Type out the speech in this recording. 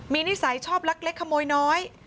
มีนิสัยชอบลักเล็กขโมยน้อย